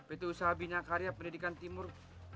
itu usaha binakarya pendidikan timur